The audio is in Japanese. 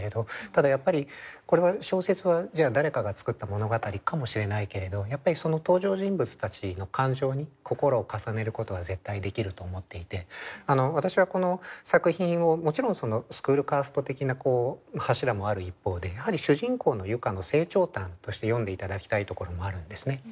ただやっぱり小説はじゃあ誰かが作った物語かもしれないけれど登場人物たちの感情に心を重ねることは絶対できると思っていて私はこの作品をもちろんスクールカースト的な柱もある一方でやはり主人公の結佳の成長譚として読んで頂きたいところもあるんですね。